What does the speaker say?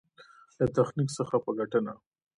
له تخنيک څخه په ګټنه.